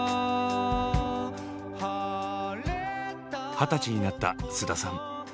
二十歳になった菅田さん。